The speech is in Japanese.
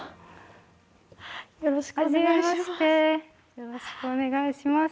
よろしくお願いします。